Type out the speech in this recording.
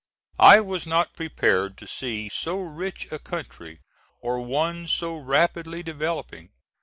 I was not prepared to see so rich a country or one so rapidly developing.